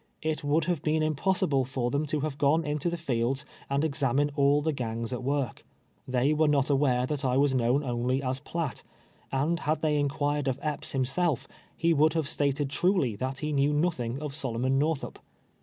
It would have been impossible fur them to have gone into tlie fields and examine all the gangs at v.'ork. They were not avrare that I was known only as Piatt ; and had they inrpiired of Epps himself, he would have stated truly that he knew nothing of Solomon Xorthup.